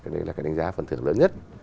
đây là cái đánh giá phần thưởng lớn nhất